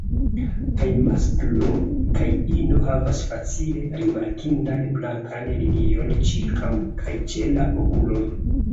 Kaj masklo kaj ino havas facile rimarkindan blankan linion ĉirkaŭ kaj ĉe la okuloj.